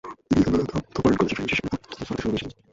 তিনি Isabella Thoburn কলেজে ফিরে এসে সেখানে পড়াতে শুরু করেছিলেন।